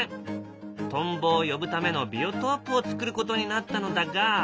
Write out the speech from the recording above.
トンボを呼ぶためのビオトープをつくることになったのだが。